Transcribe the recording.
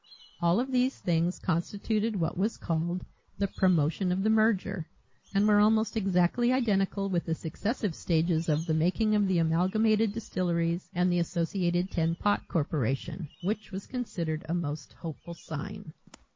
All of these things constituted what was called the promotion of the merger and were almost exactly identical with the successive stages of the making of the Amalgamated Distilleries and the Associated Tin Pot Corporation; which was considered a most hopeful sign.